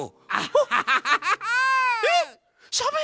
ハハハハハ。